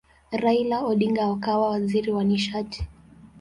Raila Odinga akawa waziri wa nishati.